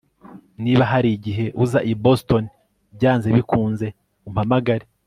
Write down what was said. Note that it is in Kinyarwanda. Niba hari igihe uza i Boston byanze bikunze umpamagare